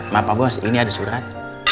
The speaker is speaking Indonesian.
maaf pak bos ini ada surat